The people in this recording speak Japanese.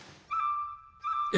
え？